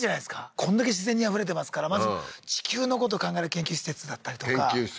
こんだけ自然にあふれてますから地球のことを考える研究施設だったりとか研究施設